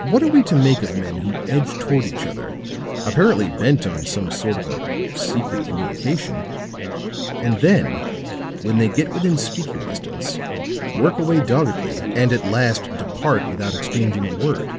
What are we to make of men who edge toward each other, apparently bent upon some sort of a secret communication and then when they get within speaking distance, work away doggedly and at last depart without exchanging a word?"